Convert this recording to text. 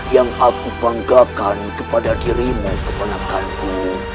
yang aku panggakan kepada dirimu keponakan ku